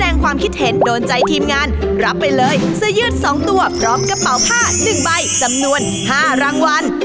ได้เลยสยืด๒ตัวพร้อมกระเป๋าผ้า๑ใบจำนวน๕รางวัล